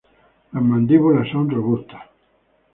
Las mandíbulas son robustas.